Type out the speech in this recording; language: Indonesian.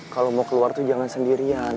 kalau mau keluar tuh jangan sendirian